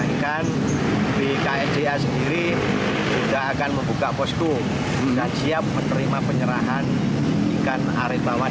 ikan arembawan dari masyarakat